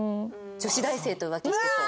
女子大生と浮気してそう。